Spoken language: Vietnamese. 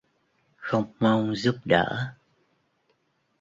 Không mong giúp đở